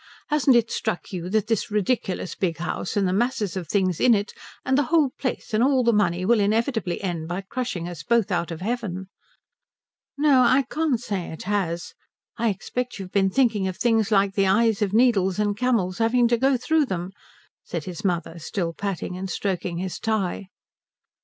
Hasn't it struck you that this ridiculous big house, and the masses of things in it, and the whole place and all the money will inevitably end by crushing us both out of heaven?" "No, I can't say it has. I expect you've been thinking of things like the eyes of needles and camels having to go through them," said his mother, still patting and stroking his tie.